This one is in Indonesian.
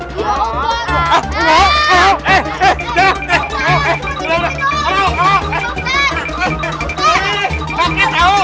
mbak luza mau dikasih bawah